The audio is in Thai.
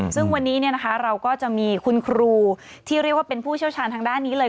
ซึ่งวันนี้เราก็จะมีคุณครูที่เรียกว่าเป็นผู้เชี่ยวชาญทางด้านนี้เลย